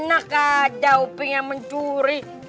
enak ada uping yang mencuri